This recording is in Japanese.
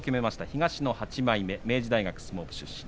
東の８枚目明治大学相撲部出身。